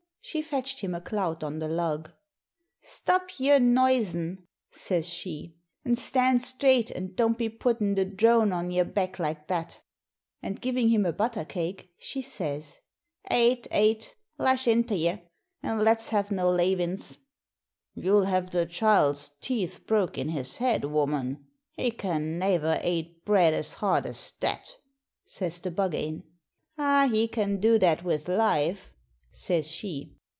She fetched him a clout on the lug. 'Stop your noisin',' says she. 'An' stand straight and don't be puttin' the drone on yer back like that.' And givin' him a buttercake, she says: 'Ate, ate, lash into ye, an' let's have no lavins.' 'You'll have the chile's teeth broke in his head, woman. He can naver ate bread as hard as that!' says the Buggane. 'Aw, he can do that with life,' says she.